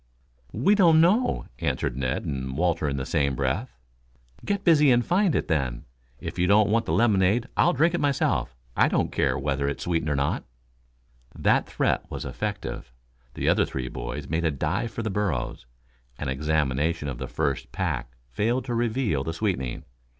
"We don't know," answered Ned and Walter in the same breath. "Get busy and find it, then. If you don't want this lemonade I'll drink it myself. I don't care whether it is sweetened or not." That threat was effective. The other three boys made a dive for the burros. An examination of the first pack failed to reveal the sweetening.